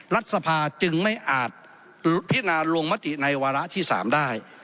รัฐสภาจึงไม่อาจพิจารณาลงมติในวาระที่๓ได้